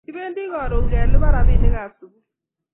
Kibendi karun kelipan rapinik ab sukul